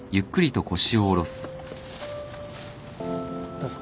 どうぞ。